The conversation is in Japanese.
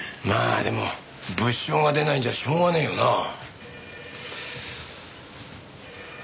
まあでも物証が出ないんじゃしょうがねえよな。